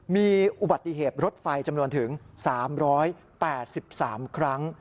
มีอุบัติเหตุรถไฟจำนวนถึง๓๘๓ครั้ง